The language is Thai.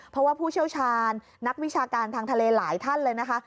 เพราะว่าผู้เชี่ยวชาญนักวิชาการทางทะเลหลายท่านเลยนะคะ